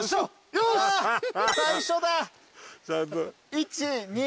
１２。